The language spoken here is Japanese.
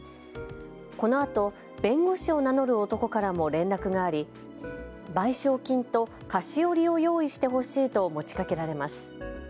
このあと弁護士を名乗る男からも連絡があり賠償金と菓子折を用意してほしいと持ちかけられます。